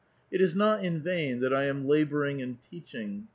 It is not in vain that I am laboring and teaching.